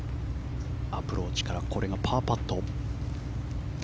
アプローチからパーパット。